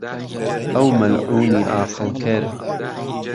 ئهو مهلعوونی عاقلکەر